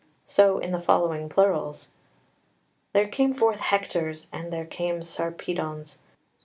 So in the following plurals "There came forth Hectors, and there came Sarpedons."